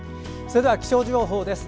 それでは気象情報です。